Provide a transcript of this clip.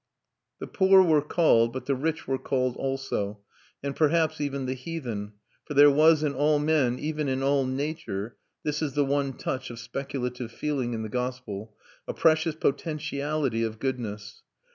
The poor were called, but the rich were called also, and perhaps even the heathen; for there was in all men, even in all nature (this is the one touch of speculative feeling in the gospel), a precious potentiality of goodness.